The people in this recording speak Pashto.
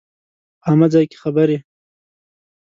په عامه ځای کې خبرې